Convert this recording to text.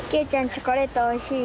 チョコレートおいしい？